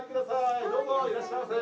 どうぞいらっしゃいませ！